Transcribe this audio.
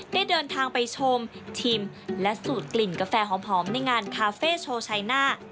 ได้เดินทางไปชมชิมและสูตรกลิ่นกาแฟหอมในงานคาเฟ่โชว์ชัยหน้า